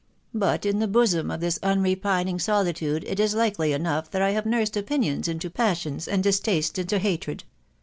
But in the bosom of this unrepining soli tude it is likely enough that 1 have nursed opinions into pas sions, and distastes into hatred.